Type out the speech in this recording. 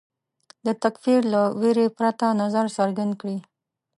د تکفیر له وېرې پرته نظر څرګند کړي